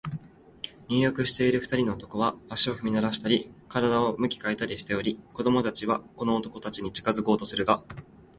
入浴している二人の男は、足を踏みならしたり、身体を向き変えたりしており、子供たちはこの男たちに近づこうとするが、